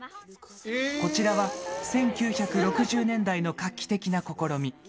こちらは１９６０年代の画期的な試み。